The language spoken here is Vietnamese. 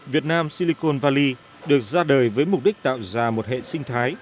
việt nam silicon valley được ra đời với mục đích tạo ra một hệ sinh thái